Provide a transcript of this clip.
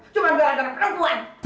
cuma berada dengan perempuan